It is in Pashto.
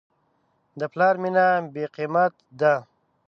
د پلار مینه بېقیمت ده.